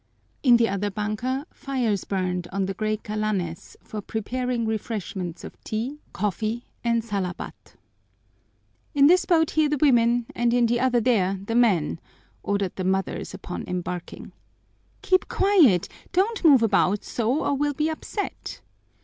In the other banka fires burned on the clay kalanes for preparing refreshments of tea, coffee, and salabat. "In this boat here the women, and in the other there the men," ordered the mothers upon embarking. "Keep quiet! Don't move about so or we'll be upset."